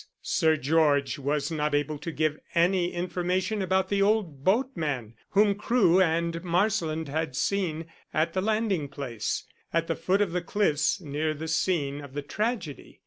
Sir George was not able to give any information about the old boatman whom Crewe and Marsland had seen at the landing place, at the foot of the cliffs near the scene of the tragedy.